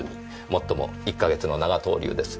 もっとも１か月の長逗留です。